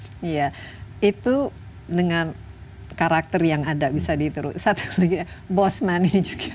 iya itu dengan karakter yang ada bisa diterus satu lagi ya bos money juga